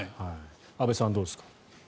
安部さん、どうですか。